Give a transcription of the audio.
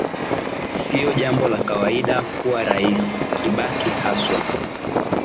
sio jambo la kawaida kuwa rais kibaki haswa